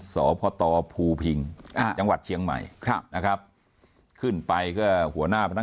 สพตภูพิงจังหวัดเชียงใหม่ครับนะครับขึ้นไปก็หัวหน้าพนัก